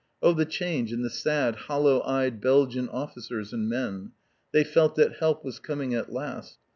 Oh, the change in the sad, hollow eyed Belgian officers and men! They felt that help was coming at last.